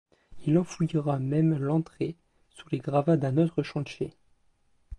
Il enfouira même l'entrée sous les gravats d'un autre chantier.